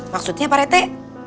maksudnya pak rete